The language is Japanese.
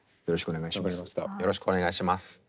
よろしくお願いします。